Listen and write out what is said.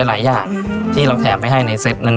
หลายอย่างที่เราแขกไปให้ในเซตนั้น